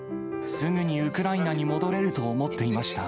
すぐにウクライナに戻れると思っていました。